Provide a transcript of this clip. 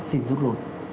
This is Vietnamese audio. xin giúp lùi